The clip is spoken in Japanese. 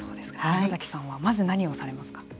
山崎さんはまず何をされますか。